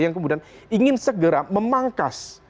yang kemudian ingin segera memangkas